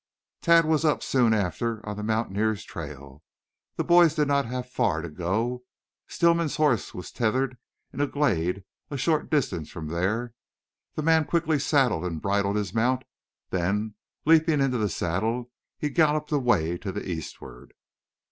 Tad was up soon after on the mountaineer's trail. The boys did not have far to go. Stillman's horse was tethered in a glade a short distance from there. The man quickly saddled and bridled his mount; then, leaping into the saddle, he galloped away to the eastward.